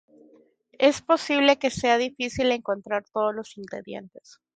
Es posible que sea difícil encontrar todos los ingredientes.